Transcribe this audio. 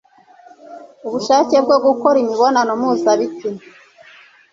ubushake bwo gukora imibonano mpuzabitsina